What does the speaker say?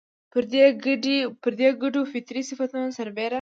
پر دې ګډو فطري صفتونو سربېره